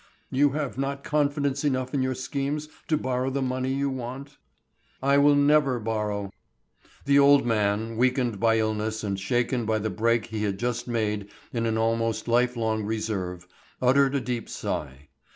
"You have not confidence enough in your schemes to borrow the money you want?" "I will never borrow." The old man, weakened by illness and shaken by the break he had just made in an almost life long reserve, uttered a deep sigh.